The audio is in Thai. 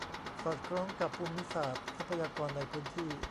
สอดคล้องกับภูมิศาสตร์ ทรัพยากร ในพื้นที่